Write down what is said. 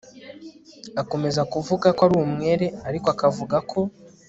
akomeza kuvuga ko ari umwere ariko akavuga ko